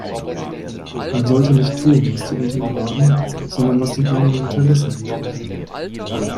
Man sollte nicht tun, was die Eltern erwarten, sondern was den eigenen Interessen entspricht.